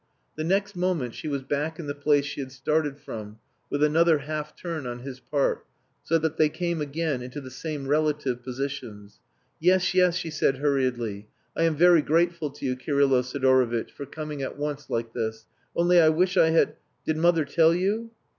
The next moment she was back in the place she had started from, with another half turn on his part, so that they came again into the same relative positions. "Yes, yes," she said hurriedly. "I am very grateful to you, Kirylo Sidorovitch, for coming at once like this.... Only, I wish I had.... Did mother tell you?"